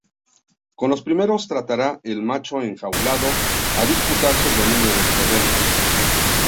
Con los primeros tratará el macho enjaulado de disputarse el dominio del terreno.